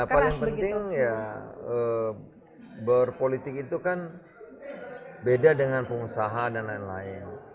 ya paling penting ya berpolitik itu kan beda dengan pengusaha dan lain lain